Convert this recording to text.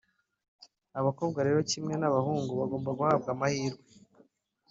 Abakobwa rero kimwe n’abahungu, bagomba guhabwa amahirwe